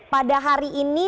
pada hari ini